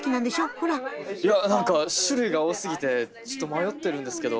いや何か種類が多すぎてちょっと迷ってるんですけど。